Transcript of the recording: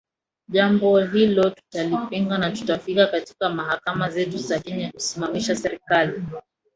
jambo hilo tutalipinga na tutafika katika mahakama zetu za kenya kuisimamisha serikali